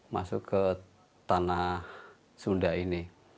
masuk ke tanah sunda ini